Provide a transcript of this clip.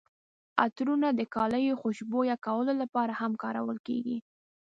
عطرونه د کالیو خوشبویه کولو لپاره هم کارول کیږي.